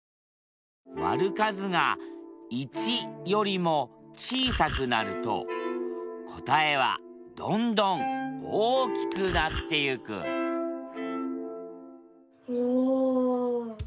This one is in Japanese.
割る数が１よりも小さくなると答えはどんどん大きくなってゆくおお！